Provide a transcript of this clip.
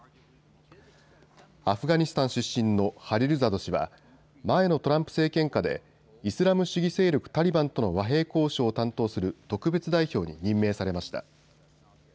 アフガニスタン出身のハリルザド氏は前のトランプ政権下でイスラム主義勢力タリバンとの和平交渉を担当する特別代表に任命されました。